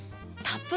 タップ？